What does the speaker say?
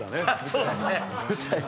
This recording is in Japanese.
そうっすね。